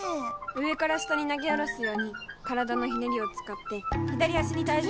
上から下に投げ下ろすように体のひねりを使って左足にたいじゅうを。